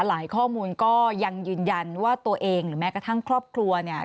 ข้อมูลก็ยังยืนยันว่าตัวเองหรือแม้กระทั่งครอบครัวเนี่ย